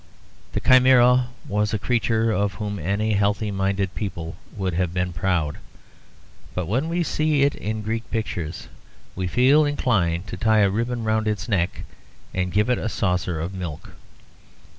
The chimaera was a creature of whom any healthy minded people would have been proud; but when we see it in Greek pictures we feel inclined to tie a ribbon round its neck and give it a saucer of milk.